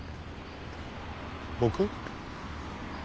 僕？